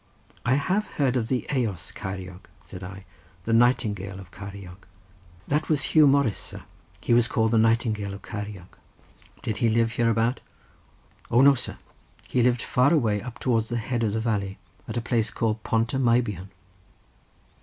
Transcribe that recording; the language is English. "I have heard of the Eos Ceiriog," said I; "the Nightingale of Ceiriog." "That was Huw Morris, sir; he was called the Nightingale of Ceiriog." "Did he live hereabout?" "O no, sir; he lived far away up towards the head of the valley, at a place called Pont y Meibion."